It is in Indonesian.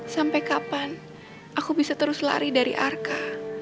sampai kapan aku bisa terus lari dari arka